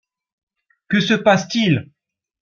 Que se passe-t-il ?…